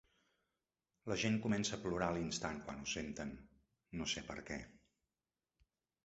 La gent comença a plorar a l"instant quan ho senten, no sé perquè.